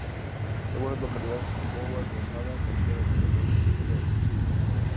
Algunas localidades son Bower, Lozada, Capilla De Los Remedios, Villa Esquiú.